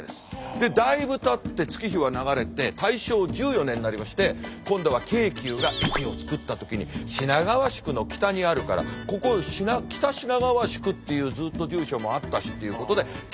でだいぶたって月日は流れて大正１４年になりまして今度は京急が駅を造った時に品川宿の北にあるからここ北品川宿っていうずっと住所もあったしっていうことで北品川駅を堂々と命名するわけです。